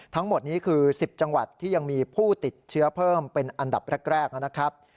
ทั้งหมดนี้คือ๑๐จังหวัดที่ยังมีผู้ติดเชื้อเพิ่มเป็นอันดับแรกนะครับ